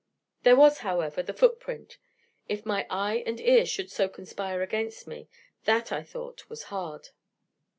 There was, however, the foot print. If my eye and ear should so conspire against me, that, I thought, was hard.